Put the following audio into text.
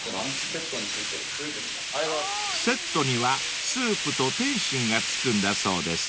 ［セットにはスープと点心が付くんだそうです］